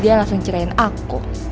dia langsung ceraiin aku